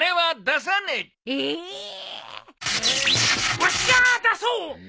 わしが出そう！